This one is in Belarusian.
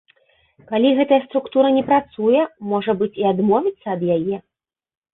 Калі гэтая структура не працуе, можа быць, і адмовіцца ад яе?